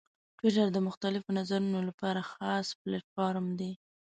ټویټر د مختلفو نظرونو لپاره خلاص پلیټفارم دی.